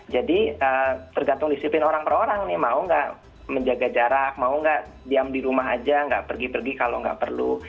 jadi tergantung disiplin orang per orang nih mau nggak menjaga jarak mau nggak diam di rumah aja nggak pergi pergi kalau nggak perlu